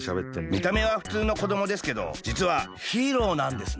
みためはふつうのこどもですけどじつはヒーローなんですね？